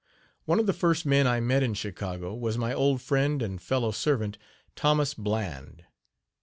One of the first men I met in Chicago was my old friend and fellow servant Thomas Bland.